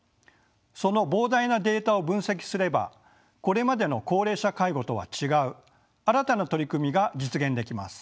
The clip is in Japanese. その膨大なデータを分析すればこれまでの高齢者介護とは違う新たな取り組みが実現できます。